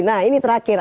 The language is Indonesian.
nah ini terakhir